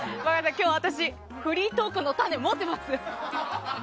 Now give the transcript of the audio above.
今日、私、フリートークの種持ってます！